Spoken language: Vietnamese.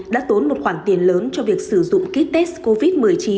đã tốn một khoản tiền lớn cho việc sử dụng ký test covid một mươi chín